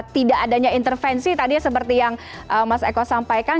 tidak adanya intervensi tadi seperti yang mas eko sampaikan